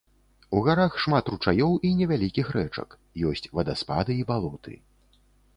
У гарах шмат ручаёў і невялікіх рэчак, ёсць вадаспады і балоты.